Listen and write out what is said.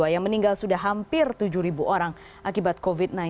yang meninggal sudah hampir tujuh orang akibat covid sembilan belas